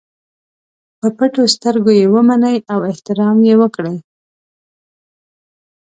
په پټو سترګو یې ومني او احترام یې وکړي.